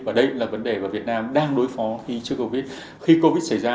và đây là vấn đề mà việt nam đang đối phó khi covid xảy ra